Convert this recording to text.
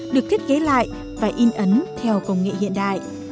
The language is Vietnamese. được thiết kế lại và in ấn theo công nghệ hiện đại